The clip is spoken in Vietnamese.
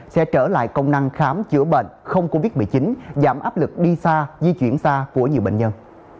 sẽ trở lại công năng khám chữa bệnh không covid một mươi chín giảm áp lực đi xa di chuyển xa của nhiều bệnh nhân